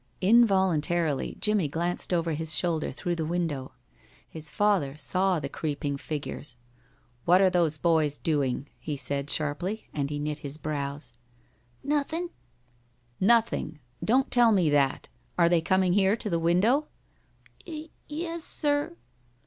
Involuntarily Jimmie glanced over his shoulder through the window. His father saw the creeping figures. "What are those boys doing?" he said, sharply, and he knit his brows. "Nothin'." "Nothing! Don't tell me that. Are they coming here to the window?" "Y e s, sir."